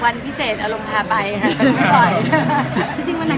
วันพิเศษอารมณ์พาไปค่ะไม่ค่อย